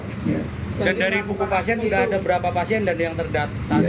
dan dari buku pasien sudah ada berapa pasien dan yang terdat